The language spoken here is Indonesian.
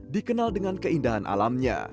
dikenal dengan keindahan alamnya